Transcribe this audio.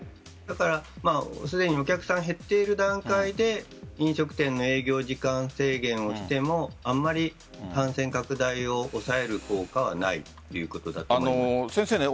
だから、すでにお客さんが減っている段階で飲食店の営業時間制限をしてもあまり感染拡大を抑える効果はないということだと思います。